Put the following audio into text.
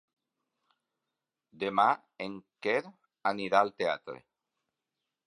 Demà en Quer anirà al teatre.